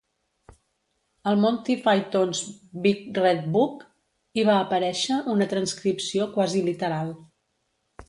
Al "Monty Python's Big Red Book" hi va aparèixer una transcripció quasi literal.